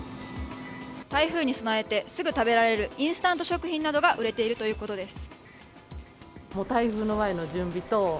台風に備えてすぐに食べられるインスタント食品などが売れているということです。